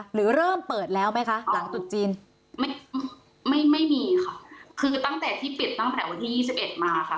เริ่มเปิดแล้วไหมคะหลังตุดจีนไม่ไม่ไม่มีค่ะคือตั้งแต่ที่ปิดตั้งแต่วันที่ยี่สิบเอ็ดมาค่ะ